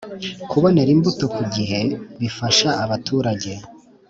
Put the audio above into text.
Kubonera imbuto ku gihe bifasha abaturage